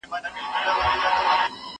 زه پرون لیکل کوم،